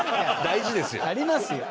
大事ですよ。